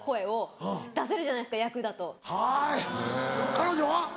彼女は？